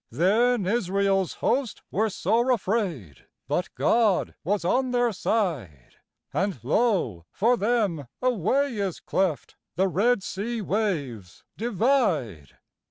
Then Israel's host were sore afraid; But God was on their side, And, lo! for them a way is cleft, The Red sea waves divide.